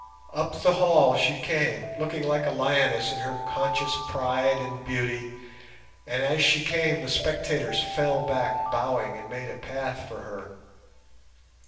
Up the hall she came, looking like a lioness in her conscious pride and beauty, and as she came the spectators fell back bowing and made a path for her.